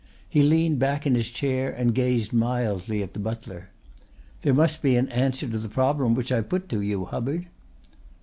He leaned back in his chair and gazed mildly at the butler. "There must be an answer to the problem which I put to you, Hubbard."